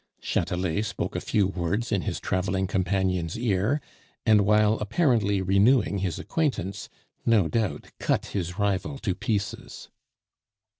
Chatelet spoke a few words in his traveling companion's ear, and while apparently renewing his acquaintance, no doubt cut his rival to pieces.